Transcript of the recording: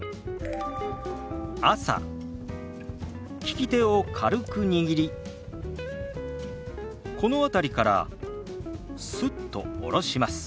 利き手を軽く握りこの辺りからスッと下ろします。